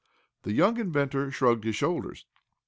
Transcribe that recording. The young inventor shrugged his shoulders.